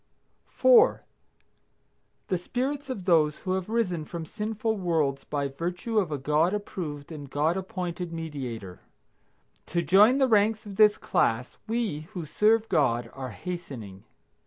4. The spirits of those who have risen from sinful worlds by virtue of a God approved and God appointed Mediator. To join the ranks of this class we, who serve God, are hastening.